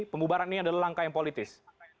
pembubaran ini adalah langkah yang politis